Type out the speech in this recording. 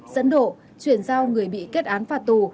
dẫn độ chuyển giao người bị kết án phạt tù